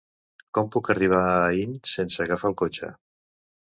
Com puc arribar a Aín sense agafar el cotxe?